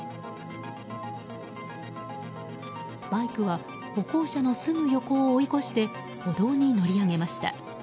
バイクは歩行者のすぐ横を追い越して歩道に乗り上げました。